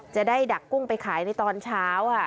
ดักกุ้งไปขายในตอนเช้า